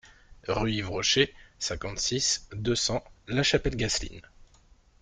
Rue Yves Rocher, cinquante-six, deux cents La Chapelle-Gaceline